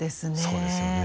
そうですよね。